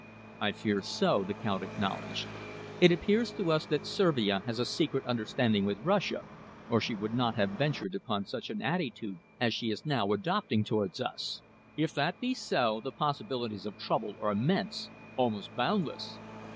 "I fear so," the Count acknowledged. "It appears to us that Servia has a secret understanding with Russia, or she would not have ventured upon such an attitude as she is now adopting towards us. If that be so, the possibilities of trouble are immense, almost boundless.